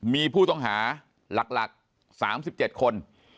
มีผู้ต้องหาหลักสามสิบเจ็ดคน